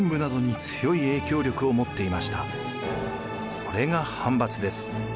これが藩閥です。